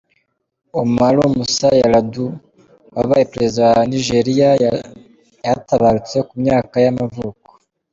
Umaru Musa Yar'Adua, wabaye perezida wa waNigeriya yaratabarutse, ku myaka y’amavuko.